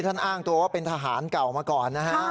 พระขู่คนที่เข้าไปคุยกับพระรูปนี้